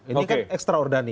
ini kan ekstraordani